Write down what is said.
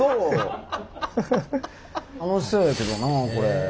楽しそうやけどなあこれ。